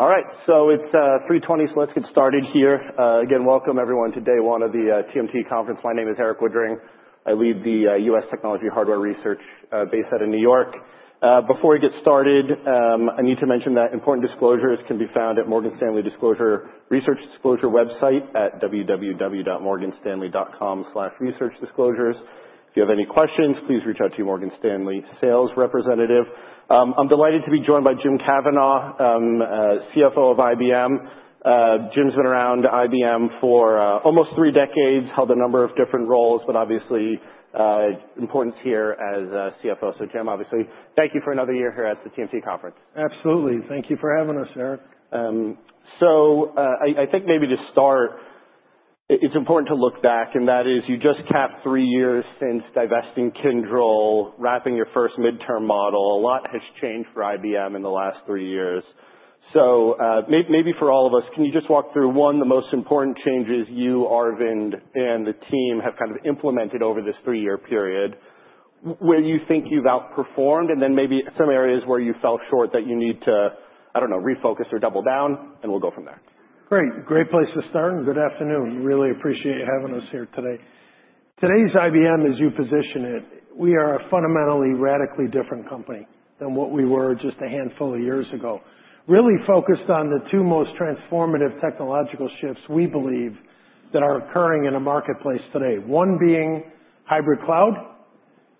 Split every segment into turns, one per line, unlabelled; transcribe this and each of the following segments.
It's 3:20, let's get started here. Again, welcome everyone to day one of the TMT conference. My name is Erik Woodring. I lead the U.S. Technology Hardware Research based out of New York. Before we get started, I need to mention that important disclosures can be found at Morgan Stanley Research Disclosure website at www.morganstanley.com/researchdisclosures. If you have any questions, please reach out to your Morgan Stanley sales representative. I'm delighted to be joined by James Kavanaugh, CFO of IBM. Jim's been around IBM for almost three decades, held a number of different roles, but obviously importance here as CFO. Jim, obviously, thank you for another year here at the TMT conference.
Absolutely. Thank you for having us, Erik.
I think maybe to start, it's important to look back, and that is you just capped three years since divesting Kyndryl, wrapping your first midterm model. A lot has changed for IBM in the last three years. Maybe for all of us, can you just walk through, one, the most important changes you, Arvind, and the team have kind of implemented over this three-year period where you think you've outperformed, and then maybe some areas where you fell short that you need to, I don't know, refocus or double down, and we'll go from there.
Great place to start, good afternoon. Really appreciate you having us here today. Today's IBM, as you position it, we are a fundamentally radically different company than what we were just a handful of years ago. Really focused on the two most transformative technological shifts we believe that are occurring in the marketplace today. One being hybrid cloud,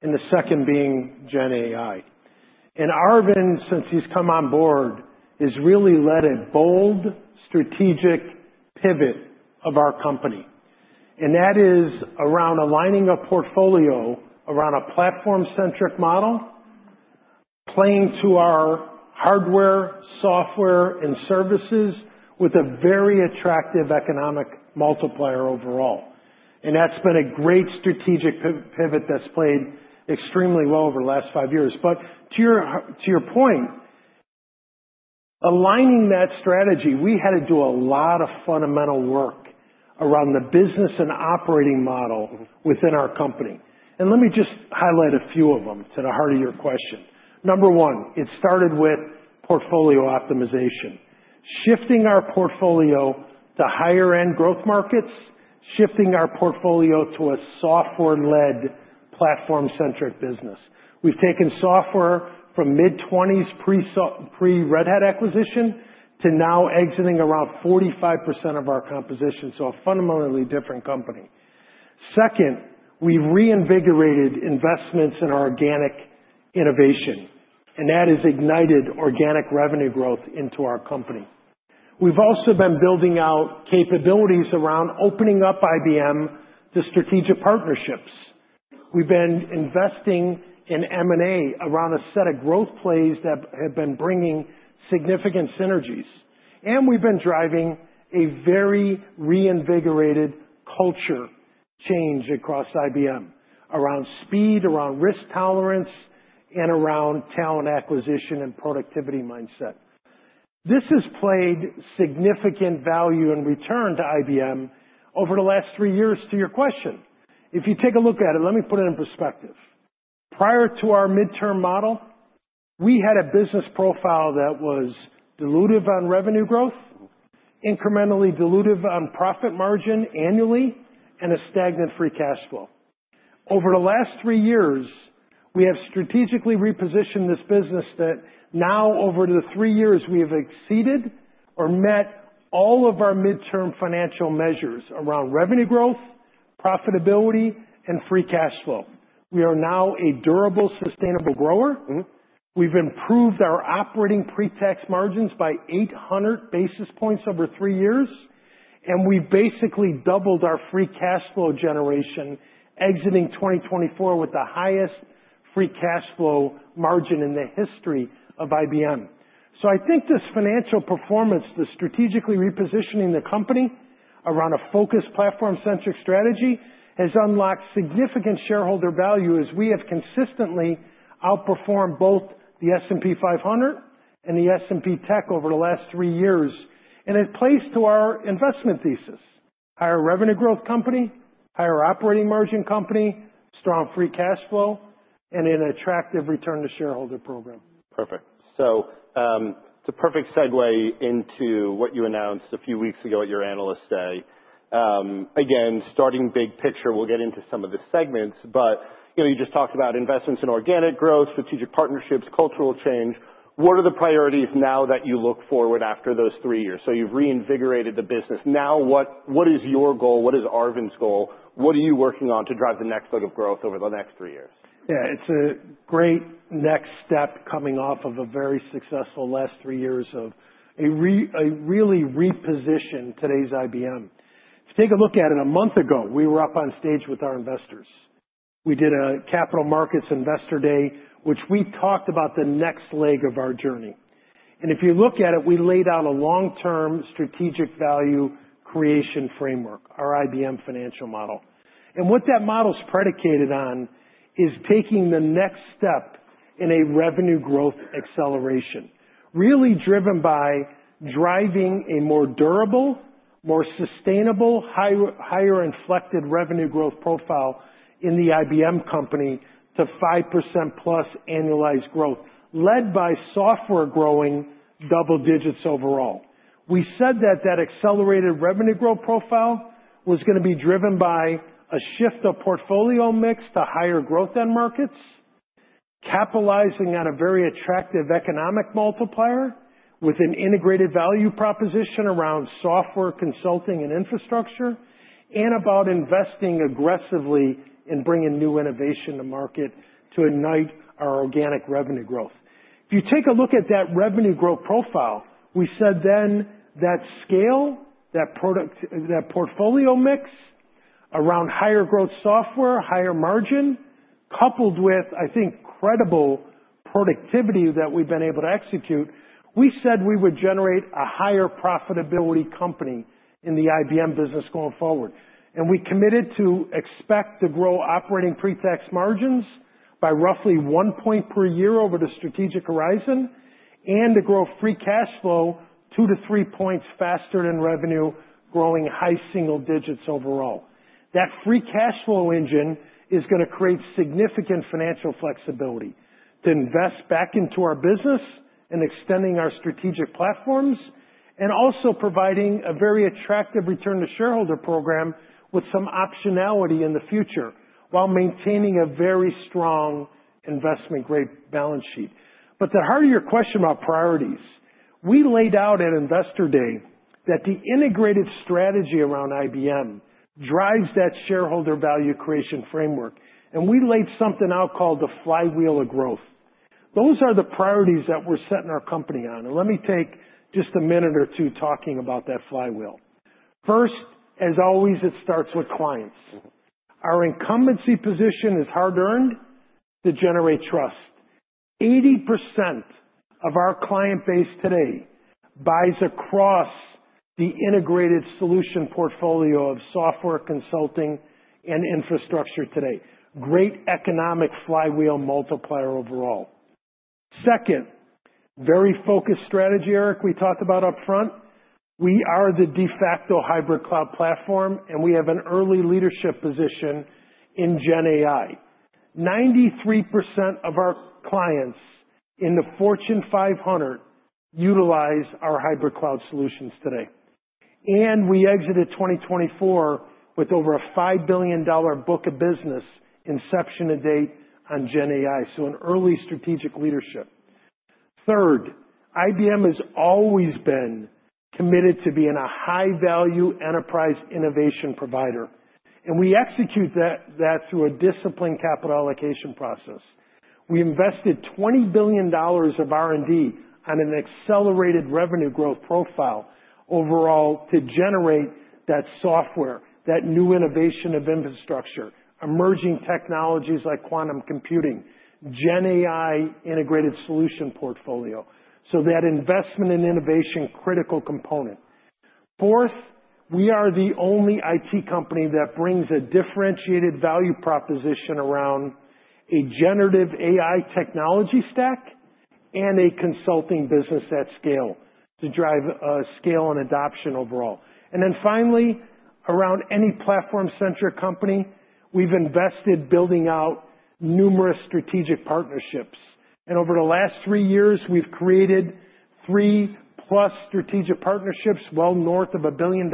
the second being GenAI. Arvind, since he's come on board, has really led a bold strategic pivot of our company, and that is around aligning a portfolio around a platform-centric model, playing to our hardware, software, and services with a very attractive economic multiplier overall. That's been a great strategic pivot that's played extremely well over the last five years. To your point, aligning that strategy, we had to do a lot of fundamental work around the business and operating model within our company. Let me just highlight a few of them to the heart of your question. Number one, it started with portfolio optimization. Shifting our portfolio to higher-end growth markets, shifting our portfolio to a software-led platform-centric business. We've taken software from mid-20s pre-Red Hat acquisition to now exiting around 45% of our composition. A fundamentally different company. Second, we reinvigorated investments in organic innovation, and that has ignited organic revenue growth into our company. We've also been building out capabilities around opening up IBM to strategic partnerships. We've been investing in M&A around a set of growth plays that have been bringing significant synergies. We've been driving a very reinvigorated culture change across IBM around speed, around risk tolerance, and around talent acquisition and productivity mindset. This has played significant value in return to IBM over the last three years, to your question. If you take a look at it, let me put it in perspective. Prior to our midterm model, we had a business profile that was dilutive on revenue growth, incrementally dilutive on profit margin annually, and a stagnant free cash flow. Over the last three years, we have strategically repositioned this business that now, over the three years, we have exceeded or met all of our midterm financial measures around revenue growth, profitability, and free cash flow. We are now a durable, sustainable grower. We've improved our operating pre-tax margins by 800 basis points over three years, and we've basically doubled our free cash flow generation exiting 2024 with the highest free cash flow margin in the history of IBM. I think this financial performance, the strategically repositioning the company around a focused platform-centric strategy, has unlocked significant shareholder value as we have consistently outperformed both the S&P 500 and the S&P Tech over the last three years. It plays to our investment thesis. Higher revenue growth company, higher operating margin company, strong free cash flow, and an attractive return to shareholder program.
Perfect. It's a perfect segue into what you announced a few weeks ago at your Analyst Day. Again, starting big picture, we'll get into some of the segments. You just talked about investments in organic growth, strategic partnerships, cultural change. What are the priorities now that you look forward after those three years? You've reinvigorated the business. Now what is your goal? What is Arvind's goal? What are you working on to drive the next leg of growth over the next three years?
It's a great next step coming off of a very successful last three years of a really reposition today's IBM. If you take a look at it, a month ago, we were up on stage with our investors. We did a capital markets Investor Day, which we talked about the next leg of our journey. If you look at it, we laid out a long-term strategic value creation framework, our IBM financial model. What that model is predicated on is taking the next step in a revenue growth acceleration, really driven by driving a more durable, more sustainable, higher inflected revenue growth profile in the IBM company to 5%+ annualized growth, led by Software growing double digits overall. We said that that accelerated revenue growth profile was going to be driven by a shift of portfolio mix to higher growth end markets, capitalizing on a very attractive economic multiplier with an integrated value proposition around Software, Consulting, and Infrastructure, and about investing aggressively in bringing new innovation to market to ignite our organic revenue growth. If you take a look at that revenue growth profile, we said then that scale, that portfolio mix around higher growth Software, higher margin, coupled with, I think, credible productivity that we've been able to execute, we said we would generate a higher profitability company in the IBM business going forward. We committed to expect to grow operating pre-tax margins by roughly one point per year over the strategic horizon and to grow free cash flow two to three points faster than revenue, growing high single digits overall. That free cash flow engine is going to create significant financial flexibility to invest back into our business in extending our strategic platforms, and also providing a very attractive return to shareholder program with some optionality in the future while maintaining a very strong investment-grade balance sheet. To the heart of your question about priorities, we laid out at Investor Day that the integrated strategy around IBM drives that shareholder value creation framework, and we laid something out called the flywheel of growth. Those are the priorities that we're setting our company on, and let me take just a minute or two talking about that flywheel. First, as always, it starts with clients. Our incumbency position is hard-earned to generate trust. 80% of our client base today buys across the integrated solution portfolio of Software, Consulting, and Infrastructure today. Great economic flywheel multiplier overall. Second, very focused strategy, Erik, we talked about upfront. We are the de facto hybrid cloud platform, and we have an early leadership position in GenAI. 93% of our clients in the Fortune 500 utilize our hybrid cloud solutions today. We exited 2024 with over a $5 billion book of business inception to date on GenAI, so an early strategic leadership. Third, IBM has always been committed to being a high-value enterprise innovation provider, and we execute that through a disciplined capital allocation process. We invested $20 billion of R&D on an accelerated revenue growth profile overall to generate that Software, that new innovation of Infrastructure, emerging technologies like quantum computing, GenAI integrated solution portfolio. That investment in innovation, critical component. Fourth, we are the only IT company that brings a differentiated value proposition around a generative AI technology stack and a consulting business at scale to drive scale and adoption overall. Finally, around any platform-centric company, we've invested building out numerous strategic partnerships. Over the last three years, we've created three-plus strategic partnerships well north of $1 billion,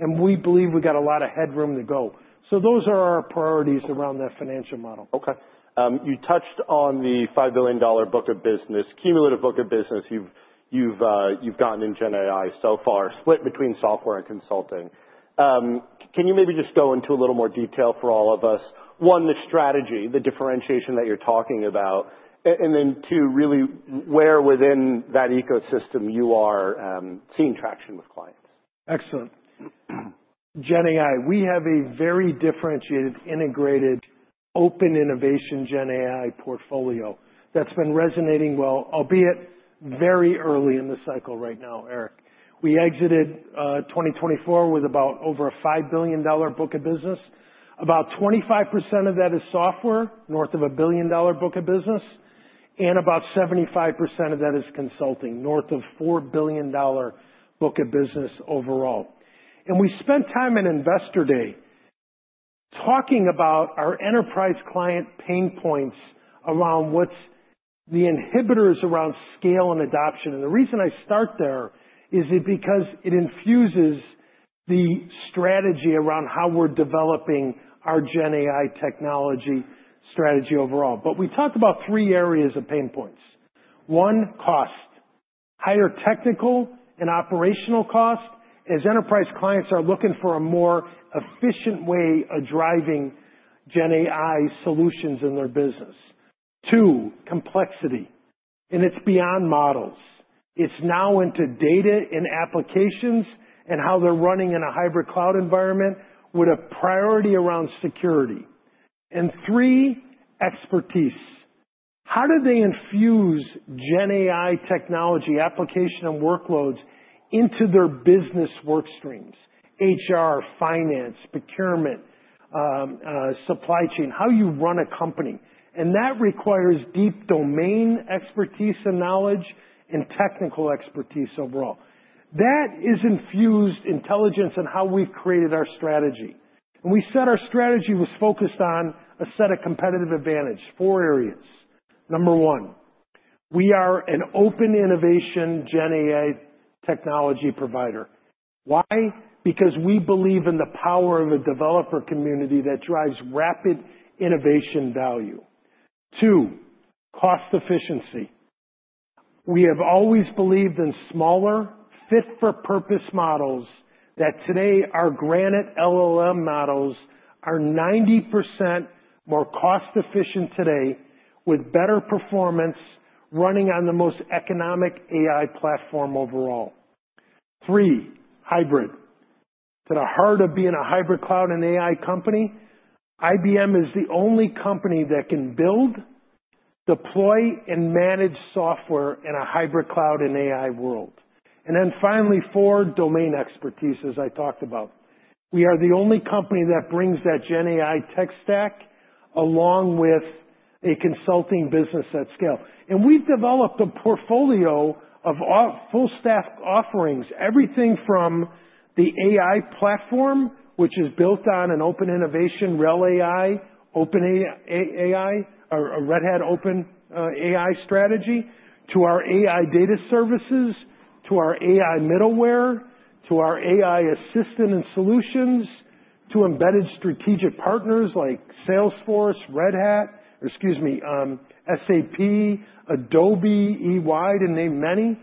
and we believe we've got a lot of headroom to go. Those are our priorities around that financial model.
Okay. You touched on the $5 billion book of business, cumulative book of business you've gotten in GenAI so far, split between software and consulting. Can you maybe just go into a little more detail for all of us? One, the strategy, the differentiation that you're talking about, and then two, really where within that ecosystem you are seeing traction with clients.
Excellent. GenAI, we have a very differentiated, integrated open innovation GenAI portfolio that's been resonating well, albeit very early in the cycle right now, Erik. We exited 2024 with about over a $5 billion book of business. About 25% of that is software, north of $1 billion book of business, and about 75% of that is consulting, north of $4 billion book of business overall. We spent time in Investor Day talking about our enterprise client pain points around what's the inhibitors around scale and adoption. The reason I start there is because it infuses the strategy around how we're developing our GenAI technology strategy overall. We talked about three areas of pain points. One, cost. Higher technical and operational cost as enterprise clients are looking for a more efficient way of driving GenAI solutions in their business. Two, complexity, and it's beyond models. It's now into data and applications and how they're running in a hybrid cloud environment with a priority around security. Three, expertise. How do they infuse GenAI technology application and workloads into their business work stream? HR, finance, procurement, supply chain, how you run a company. That requires deep domain expertise and knowledge and technical expertise overall. That is infused intelligence in how we've created our strategy. We said our strategy was focused on a set of competitive advantage, four areas. Number one, we are an open innovation GenAI technology provider. Why? Because we believe in the power of a developer community that drives rapid innovation value. Two, cost efficiency. We have always believed in smaller, fit-for-purpose models that today our Granite LLM models are 90% more cost-efficient today with better performance running on the most economic AI platform overall. Three, hybrid. To the heart of being a hybrid cloud and AI company, IBM is the only company that can build, deploy, and manage software in a hybrid cloud and AI world. Finally, 4, domain expertise, as I talked about. We are the only company that brings that GenAI tech stack along with a consulting business at scale. We've developed a portfolio of full stack offerings, everything from the AI platform, which is built on an open innovation RHEL AI, open AI, a Red Hat Open AI strategy, to our AI data services, to our AI middleware, to our AI assistant and solutions, to embedded strategic partners like Salesforce, Red Hat, excuse me, SAP, Adobe, EY, to name many.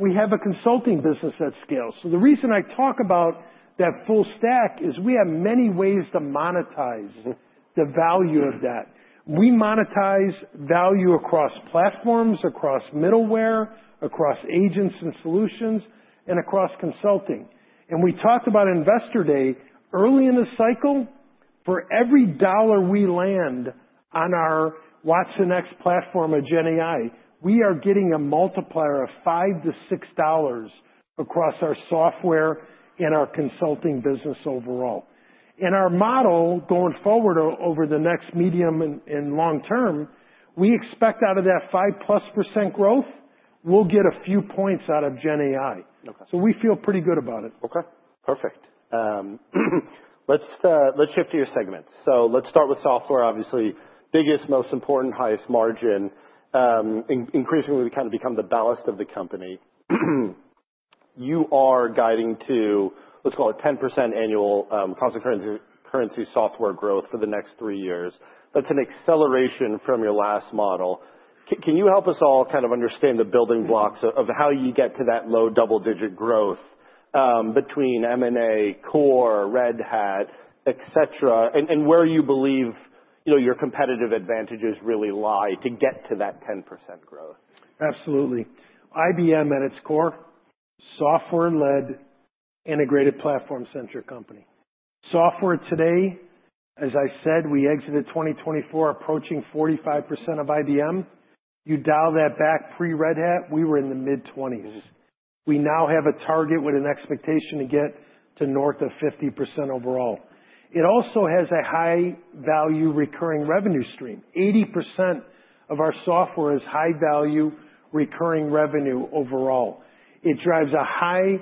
We have a consulting business at scale. The reason I talk about that full stack is we have many ways to monetize the value of that. We monetize value across platforms, across middleware, across agents and solutions, and across consulting. We talked about Investor Day early in the cycle, for every dollar we land on our watsonx platform of GenAI, we are getting a multiplier of $5 to $6 across our software and our consulting business overall. Our model going forward over the next medium and long term, we expect out of that 5 plus % growth, we'll get a few points out of GenAI.
Okay.
We feel pretty good about it.
Okay, perfect. Let's shift to your segments. Let's start with software, obviously. Biggest, most important, highest margin. Increasingly, we kind of become the ballast of the company. You are guiding to, let's call it 10% annual constant currency software growth for the next 3 years. That's an acceleration from your last model. Can you help us all kind of understand the building blocks of how you get to that low double-digit growth, between M&A, core Red Hat, et cetera, and where you believe your competitive advantages really lie to get to that 10% growth?
Absolutely. IBM, at its core, software-led integrated platform-centric company. Software today, as I said, we exited 2024 approaching 45% of IBM. You dial that back pre-Red Hat, we were in the mid-20s. We now have a target with an expectation to get to north of 50% overall. It also has a high-value recurring revenue stream. 80% of our software is high-value recurring revenue overall. It drives a high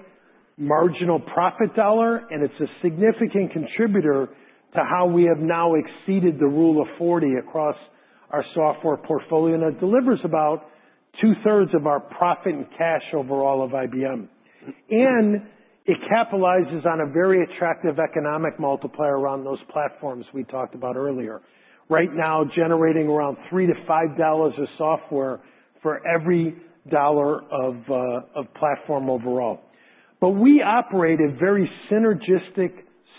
marginal profit dollar, and it's a significant contributor to how we have now exceeded the Rule of 40 across our software portfolio. It delivers about two-thirds of our profit and cash overall of IBM. It capitalizes on a very attractive economic multiplier around those platforms we talked about earlier. Right now, generating around $3 to $5 of software for every dollar of platform overall. We operate a very synergistic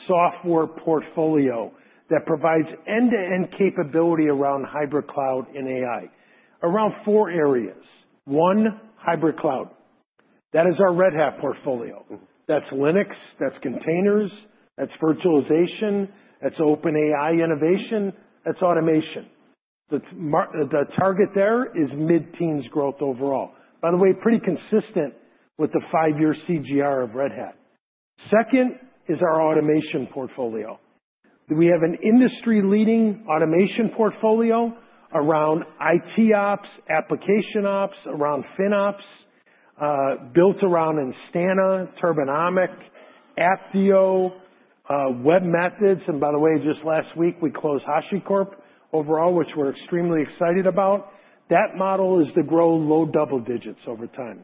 software portfolio that provides end-to-end capability around hybrid cloud and AI around four areas. One, hybrid cloud. That is our Red Hat portfolio. That's Linux, that's containers, that's virtualization, that's OpenShift AI innovation, that's automation. The target there is mid-teens growth overall. By the way, pretty consistent with the five-year CAGR of Red Hat. Second is our automation portfolio. We have an industry-leading automation portfolio around IT ops, application ops, around FinOps, built around Instana, Turbonomic, Apptio, webMethods, just last week we closed HashiCorp overall, which we're extremely excited about. That model is to grow low double digits over time.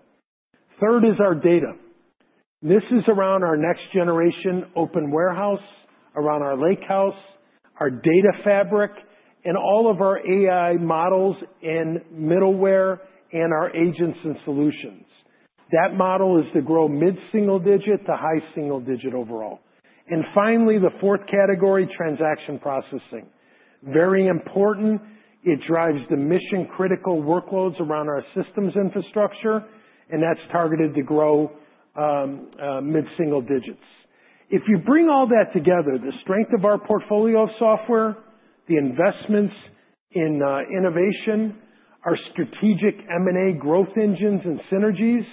Third is our data. This is around our next generation open warehouse, around our lakehouse, our data fabric, and all of our AI models in middleware and our agents and solutions. That model is to grow mid-single digit to high single digit overall. Finally, the fourth category, transaction processing. Very important. It drives the mission-critical workloads around our systems infrastructure, and that's targeted to grow mid-single digits. If you bring all that together, the strength of our portfolio of software, the investments In innovation, our strategic M&A growth engines and synergies,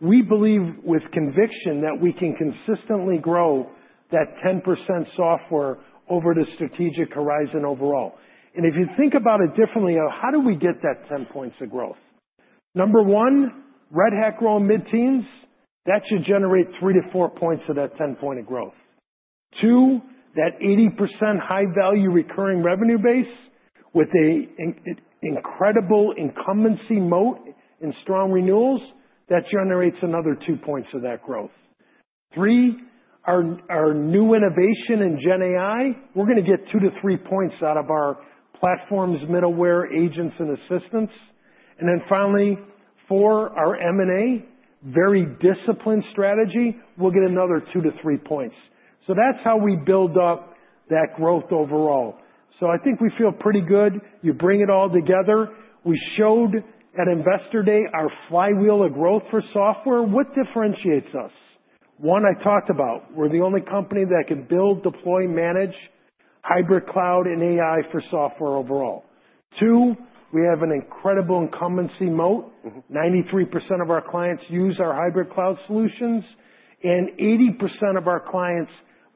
we believe with conviction that we can consistently grow that 10% software over the strategic horizon overall. If you think about it differently, how do we get that 10 points of growth? Number one, Red Hat grow mid-teens. That should generate three to four points of that 10 point of growth. Two, that 80% high-value recurring revenue base with an incredible incumbency moat in strong renewals, that generates another two points of that growth. Three, our new innovation in GenAI, we're going to get two to three points out of our platforms, middleware, agents, and assistants. Finally, four, our M&A, very disciplined strategy, we'll get another two to three points. That's how we build up that growth overall. I think we feel pretty good. You bring it all together. We showed at Investor Day our flywheel of growth for software. What differentiates us? One, I talked about, we're the only company that can build, deploy, manage hybrid cloud and AI for software overall. Two, we have an incredible incumbency moat. 93% of our clients use our hybrid cloud solutions, and 80% of our clients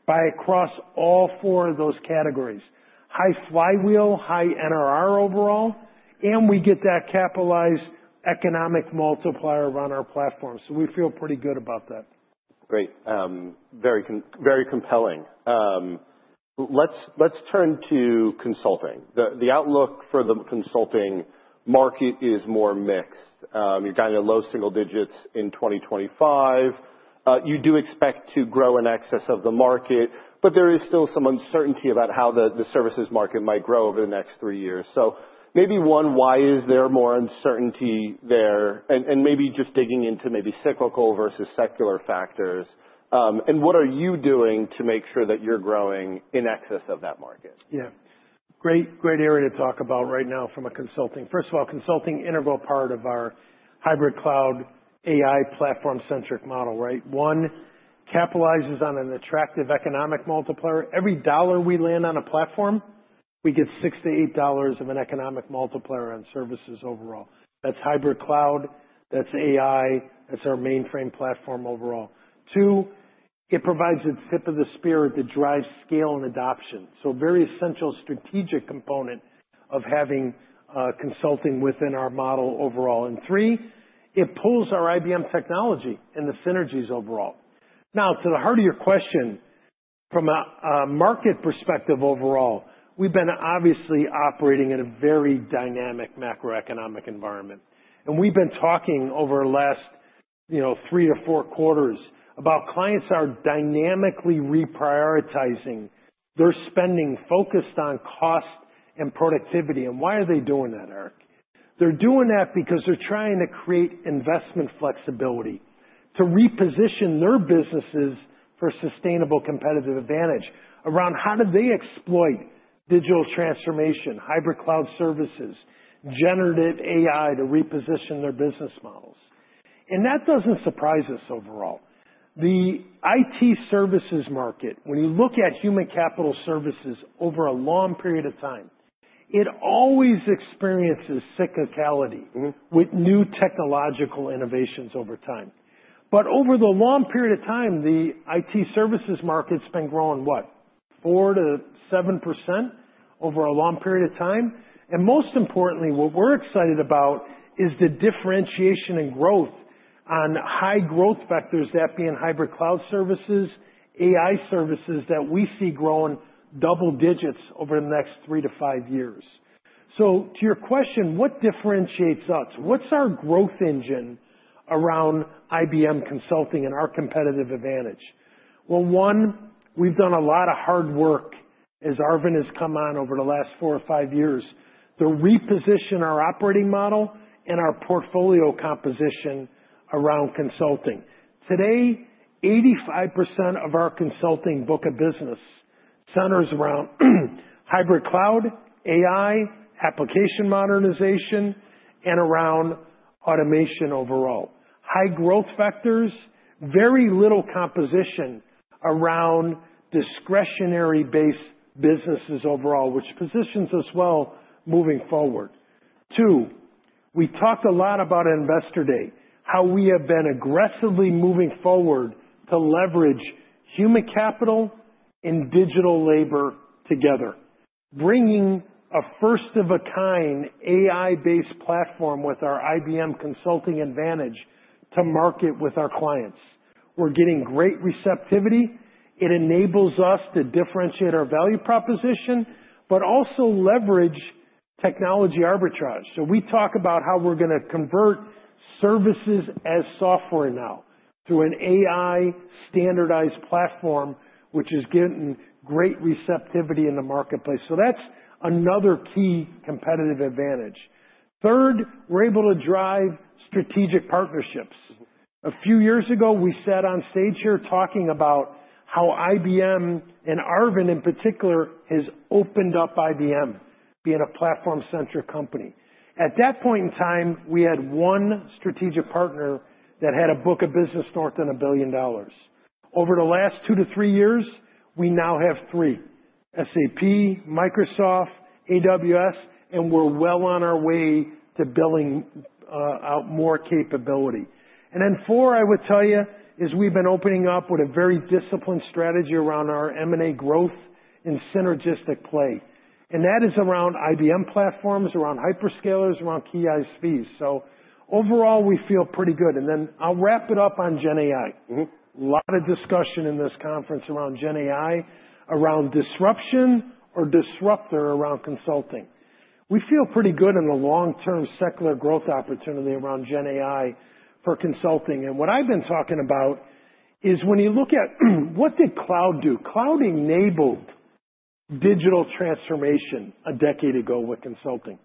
buy across all four of those categories. High flywheel, high NRR overall, and we get that capitalized economic multiplier around our platform. We feel pretty good about that.
Great. Very compelling. Let's turn to consulting. The outlook for the consulting market is more mixed. You're guiding at low single digits in 2025. You do expect to grow in excess of the market, but there is still some uncertainty about how the services market might grow over the next three years. Maybe, one, why is there more uncertainty there? Maybe just digging into maybe cyclical versus secular factors. What are you doing to make sure that you're growing in excess of that market?
Great area to talk about right now from a consulting. First of all, consulting, integral part of our hybrid cloud AI platform-centric model, right? One, capitalizes on an attractive economic multiplier. Every dollar we land on a platform, we get $6 to $8 of an economic multiplier on services overall. That's hybrid cloud, that's AI, that's our mainframe platform overall. Two, it provides the tip of the spear that drives scale and adoption. Very essential strategic component of having consulting within our model overall. Three, it pulls our IBM technology and the synergies overall. To the heart of your question, from a market perspective overall, we've been obviously operating in a very dynamic macroeconomic environment. We've been talking over the last three to four quarters about clients are dynamically reprioritizing their spending focused on cost and productivity. Why are they doing that, Erik? They're doing that because they're trying to create investment flexibility to reposition their businesses for sustainable competitive advantage around how do they exploit digital transformation, hybrid cloud services, generative AI to reposition their business models. That doesn't surprise us overall. The IT services market, when you look at human capital services over a long period of time, it always experiences cyclicality with new technological innovations over time. Over the long period of time, the IT services market's been growing, what, 4%-7% over a long period of time. Most importantly, what we're excited about is the differentiation in growth on high growth vectors, that being hybrid cloud services, AI services, that we see growing double digits over the next three to five years. To your question, what differentiates us? What's our growth engine around IBM Consulting and our competitive advantage? One, we've done a lot of hard work, as Arvind has come on over the last four or five years, to reposition our operating model and our portfolio composition around consulting. Today, 85% of our consulting book of business centers around hybrid cloud, AI, application modernization, and around automation overall. High growth vectors, very little composition around discretionary-based businesses overall, which positions us well moving forward. Two, we talked a lot about at Investor Day how we have been aggressively moving forward to leverage human capital and digital labor together, bringing a first-of-a-kind AI-based platform with our IBM Consulting Advantage to market with our clients. We're getting great receptivity. It enables us to differentiate our value proposition, but also leverage technology arbitrage. We talk about how we're going to convert services as software now through an AI standardized platform, which is getting great receptivity in the marketplace. That's another key competitive advantage. Third, we're able to drive strategic partnerships. A few years ago, we sat on stage here talking about how IBM, and Arvind in particular, has opened up IBM being a platform-centric company. At that point in time, we had one strategic partner that had a book of business north than $1 billion. Over the last two to three years, we now have three: SAP, Microsoft, AWS, and we're well on our way to building out more capability. Four, I would tell you, is we've been opening up with a very disciplined strategy around our M&A growth and synergistic play. That is around IBM platforms, around hyperscalers, around ISVs. Overall, we feel pretty good. I'll wrap it up on GenAI. A lot of discussion in this conference around GenAI, around disruption or disruptor around consulting. We feel pretty good in the long-term secular growth opportunity around GenAI for consulting. What I've been talking about is when you look at what did cloud do? Cloud enabled digital transformation a decade ago with consulting.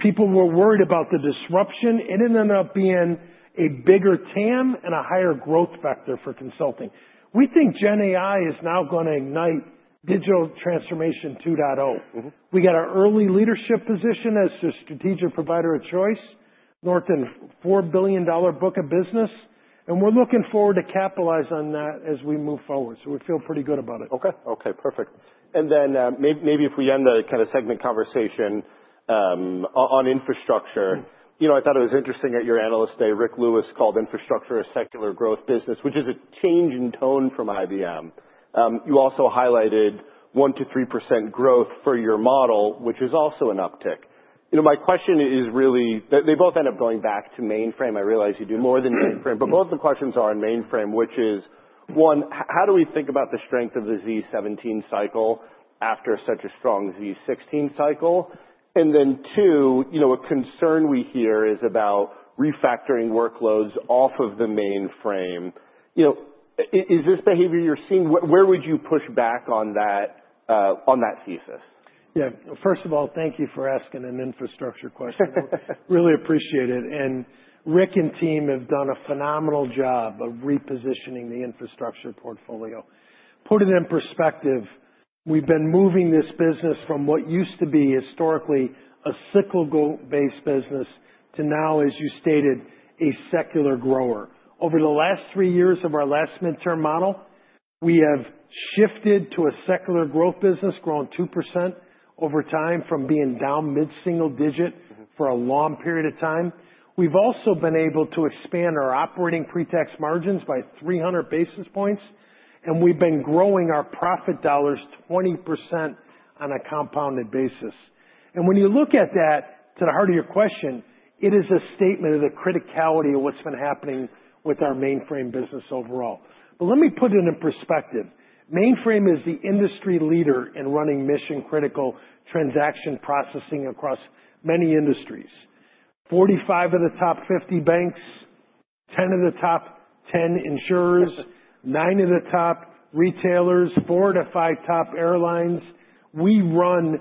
People were worried about the disruption. It ended up being a bigger TAM and a higher growth vector for consulting. We think GenAI is now going to ignite Digital Transformation 2.0. We got our early leadership position as the strategic provider of choice, more than $4 billion book of business, we're looking forward to capitalize on that as we move forward. We feel pretty good about it.
Okay. Perfect. Maybe if we end the segment conversation on infrastructure. I thought it was interesting at your Analyst Day, Ric Lewis called infrastructure a secular growth business, which is a change in tone from IBM. You also highlighted 1%-3% growth for your model, which is also an uptick. My question is really, they both end up going back to mainframe. I realize you do more than mainframe, but both the questions are on mainframe, which is, one, how do we think about the strength of the z17 cycle after such a strong z16 cycle? Two, a concern we hear is about refactoring workloads off of the mainframe. Is this behavior you're seeing? Where would you push back on that thesis?
Yeah. First of all, thank you for asking an infrastructure question. Really appreciate it. Ric and team have done a phenomenal job of repositioning the infrastructure portfolio. Put it in perspective, we've been moving this business from what used to be historically a cyclical-based business to now, as you stated, a secular grower. Over the last 3 years of our last midterm model, we have shifted to a secular growth business, growing 2% over time from being down mid-single digit for a long period of time. We've also been able to expand our operating pre-tax margins by 300 basis points, and we've been growing our profit dollars 20% on a compounded basis. When you look at that, to the heart of your question, it is a statement of the criticality of what's been happening with our mainframe business overall. Let me put it into perspective. Mainframe is the industry leader in running mission-critical transaction processing across many industries. 45 of the top 50 banks, 10 of the top 10 insurers, 9 of the top retailers, 4-5 top airlines. We run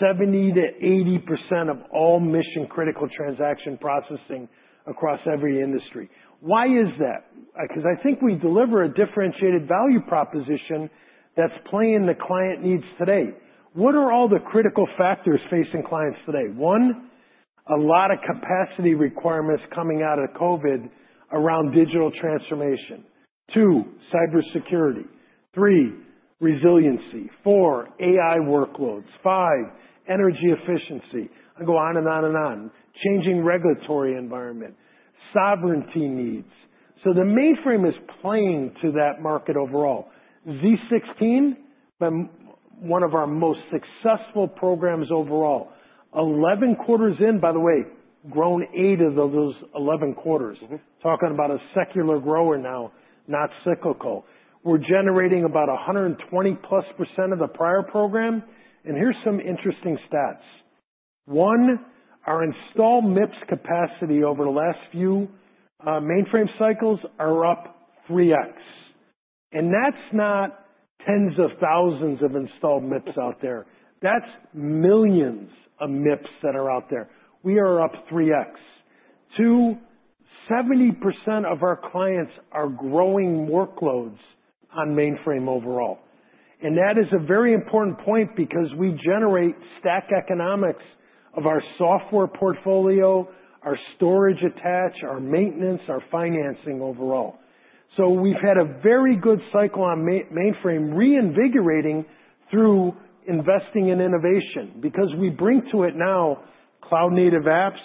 70%-80% of all mission-critical transaction processing across every industry. Why is that? Because I think we deliver a differentiated value proposition that's playing the client needs today. What are all the critical factors facing clients today? One, a lot of capacity requirements coming out of COVID around digital transformation. Two, cybersecurity. Three, resiliency. Four, AI workloads. Five, energy efficiency. I can go on and on and on. Changing regulatory environment, sovereignty needs. The mainframe is playing to that market overall. z16, one of our most successful programs overall. 11 quarters in, by the way, grown 8 of those 11 quarters. Talking about a secular grower now, not cyclical. We're generating about 120% plus of the prior program. Here's some interesting stats. One, our installed MIPS capacity over the last few mainframe cycles are up 3x. That's not tens of thousands of installed MIPS out there. That's millions of MIPS that are out there. We are up 3x. Two, 70% of our clients are growing workloads on mainframe overall. That is a very important point because we generate stack economics of our software portfolio, our storage attach, our maintenance, our financing overall. We've had a very good cycle on mainframe reinvigorating through investing in innovation because we bring to it now cloud-native apps.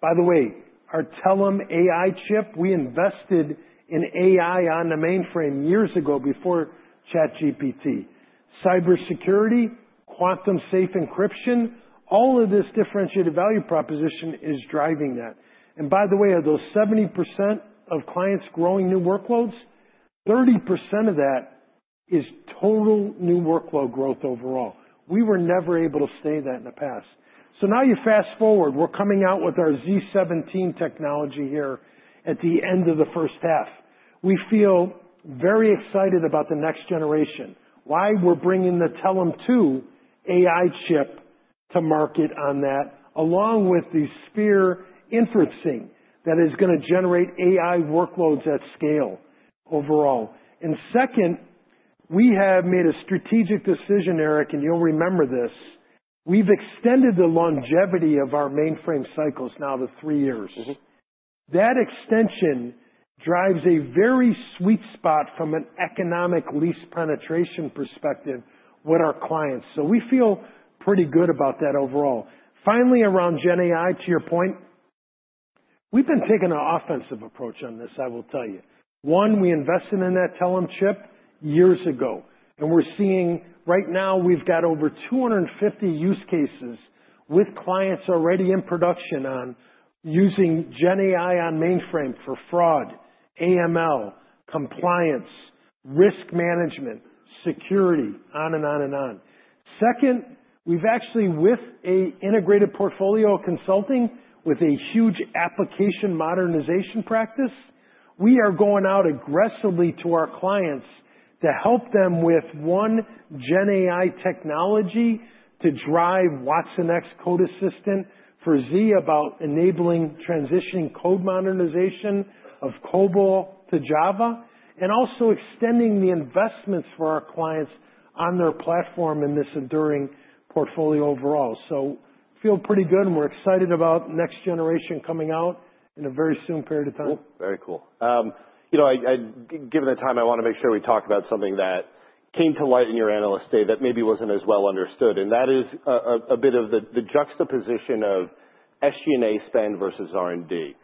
By the way, our Telum AI chip, we invested in AI on the mainframe years ago before ChatGPT. Cybersecurity, quantum safe encryption, all of this differentiated value proposition is driving that. By the way, of those 70% of clients growing new workloads, 30% of that is total new workload growth overall. We were never able to say that in the past. Now you fast-forward, we're coming out with our z17 technology here at the end of the first half. We feel very excited about the next generation. Why we're bringing the Telum II AI chip to market on that, along with the Spyre inferencing that is going to generate AI workloads at scale overall. We have made a strategic decision, Erik, and you'll remember this. We've extended the longevity of our mainframe cycles now to three years. That extension drives a very sweet spot from an economic lease penetration perspective with our clients. We feel pretty good about that overall. Finally, around GenAI, to your point, we've been taking an offensive approach on this, I will tell you. One, we invested in that Telum chip years ago, and we're seeing right now we've got over 250 use cases with clients already in production on using GenAI on mainframe for fraud, AML, compliance, risk management, security, on and on and on. Second, we've actually, with a integrated portfolio of consulting, with a huge application modernization practice, we are going out aggressively to our clients to help them with one GenAI technology to drive watsonx Code Assistant for Z about enabling transitioning code modernization of COBOL to Java, and also extending the investments for our clients on their platform in this enduring portfolio overall. Feel pretty good, and we're excited about next generation coming out in a very soon period of time.
Cool. Very cool. Given the time, I want to make sure we talk about something that came to light in your Analyst Day that maybe wasn't as well understood, and that is a bit of the juxtaposition of SG&A spend versus R&D.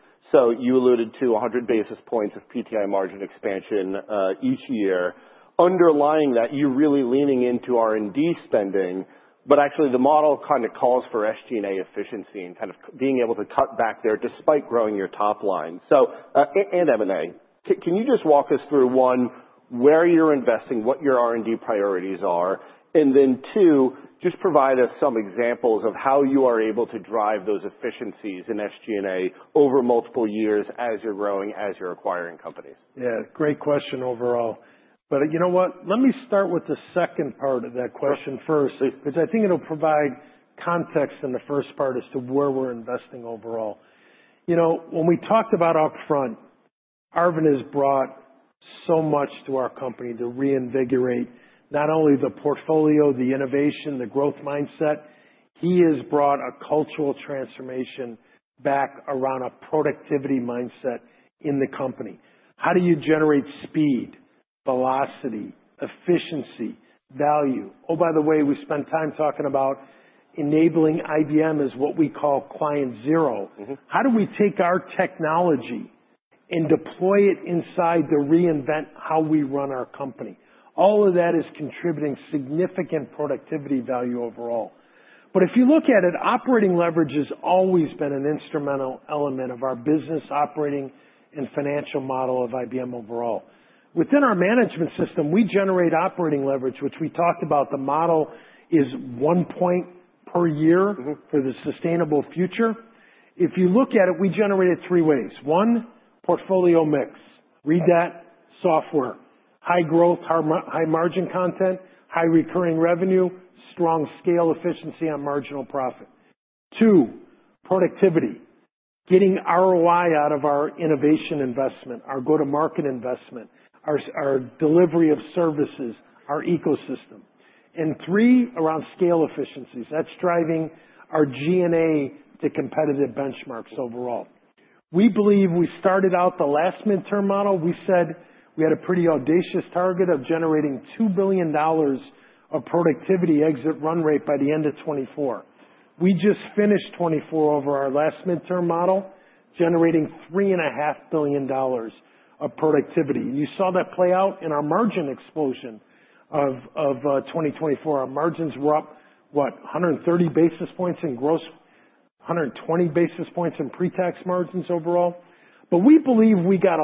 You alluded to 100 basis points of PTI margin expansion each year. Underlying that, you're really leaning into R&D spending, but actually the model kind of calls for SG&A efficiency and kind of being able to cut back there despite growing your top line. Can you just walk us through, one, where you're investing, what your R&D priorities are, and then, two, just provide us some examples of how you are able to drive those efficiencies in SG&A over multiple years as you're growing, as you're acquiring companies.
Yeah. Great question overall. You know what? Let me start with the second part of that question first.
Sure.
I think it'll provide context in the first part as to where we're investing overall. When we talked about upfront, Arvind has brought so much to our company to reinvigorate not only the portfolio, the innovation, the growth mindset, he has brought a cultural transformation back around a productivity mindset in the company. How do you generate speed, velocity, efficiency, value? Oh, by the way, we spent time talking about enabling IBM as what we call client zero. How do we take our technology and deploy it inside to reinvent how we run our company? All of that is contributing significant productivity value overall. If you look at it, operating leverage has always been an instrumental element of our business operating and financial model of IBM overall. Within our management system, we generate operating leverage, which we talked about the model is one point per year- for the sustainable future. If you look at it, we generate it three ways. One, portfolio mix. Read that, software, high growth, high margin content, high recurring revenue, strong scale efficiency on marginal profit. Two, productivity. Getting ROI out of our innovation investment, our go-to-market investment, our delivery of services, our ecosystem. Three, around scale efficiencies. That's driving our G&A to competitive benchmarks overall. We believe we started out the last midterm model, we said we had a pretty audacious target of generating $2 billion of productivity exit run rate by the end of 2024. We just finished 2024 over our last midterm model, generating $3.5 billion of productivity. You saw that play out in our margin explosion of 2024. Our margins were up, what, 130 basis points in gross, 120 basis points in pre-tax margins overall. We believe we got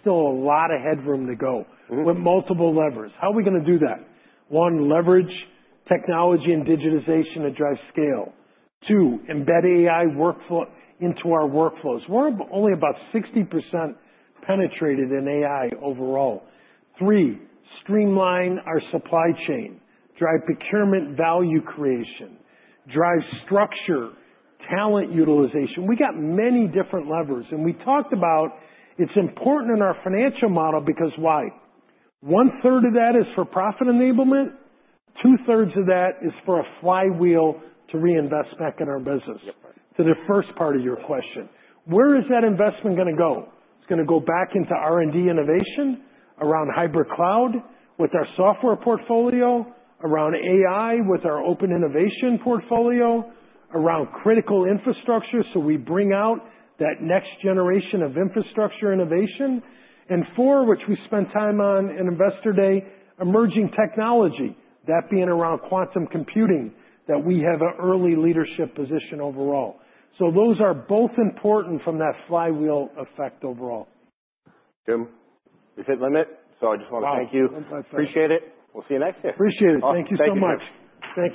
still a lot of headroom to go. with multiple levers. How are we going to do that? 1, leverage technology and digitization to drive scale. 2, embed AI into our workflows. We're only about 60% penetrated in AI overall. 3, streamline our supply chain, drive procurement value creation, drive structure, talent utilization. We got many different levers, and we talked about it's important in our financial model because why? One third of that is for profit enablement, two thirds of that is for a flywheel to reinvest back in our business.
Yep.
To the first part of your question, where is that investment going to go? It's going to go back into R&D innovation around hybrid cloud with our software portfolio, around AI with our open innovation portfolio, around critical infrastructure, so we bring out that next generation of infrastructure innovation. 4, which we spent time on in Investor Day, emerging technology, that being around quantum computing, that we have an early leadership position overall. Those are both important from that flywheel effect overall.
Jim, we've hit limit, I just want to thank you.
Wow. My pleasure.
Appreciate it. We'll see you next, yeah.
Appreciate it. Thank you so much.
Awesome. Thank you, Jim.
Thank you.